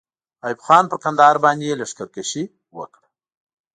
ایوب خان پر کندهار باندې لښکر کشي وکړه.